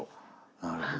なるほど。